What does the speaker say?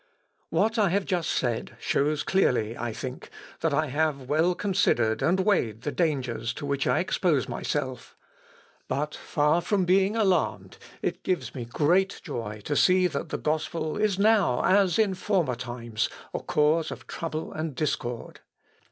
] "What I have just said shows clearly, I think, that I have well considered and weighed the dangers to which I expose myself; but, far from being alarmed, it gives me great joy to see that the gospel is now, as in former times, a cause of trouble and discord.